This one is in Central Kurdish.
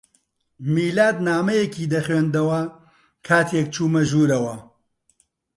میلاد نامەیەکی دەخوێندەوە کاتێک چوومە ژوورەوە.